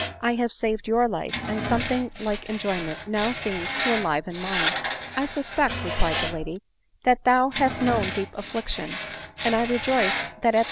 I have saved your life, and something like enjoyment now seems to enliven mine." " I suspect," replied the lady, " that thou hast known deep affliction ; and I rejoice that at